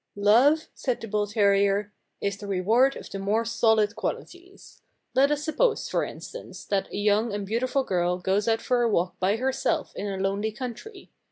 "Love," said the bull terrier, "is the reward of the more solid qualities. Let us suppose, for instance, that a young and beautiful girl goes out for a walk by herself in a lonely country.